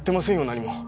何も。